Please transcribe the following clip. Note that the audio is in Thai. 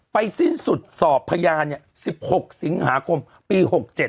ไปสิ้นสุดศอบพญานเนี่ย๑๖สิงหาคมปี๖๗